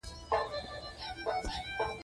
ګډ فکر د انسان د شعور نښه ده.